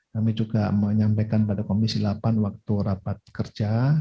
kami juga menyampaikan pada komisi delapan waktu rapat kerja